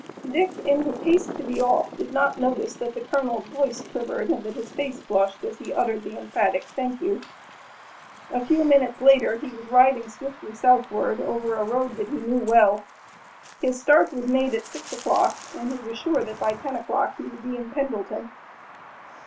Dick, in his haste to be off did not notice that the colonel's voice quivered and that his face flushed as he uttered the emphatic "thank you." A few minutes later he was riding swiftly southward over a road that he knew well. His start was made at six o'clock and he was sure that by ten o'clock he would be in Pendleton.